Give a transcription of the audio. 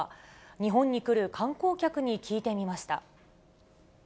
日本に来る観光客に聞いてみました。